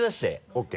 ＯＫ。